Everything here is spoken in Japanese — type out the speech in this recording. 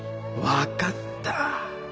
分かった。